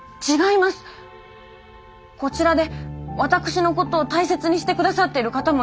こちらで私のことを大切にして下さっている方もいます。